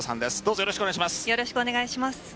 よろしくお願いします。